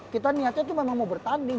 kita niatnya tuh memang mau bertanding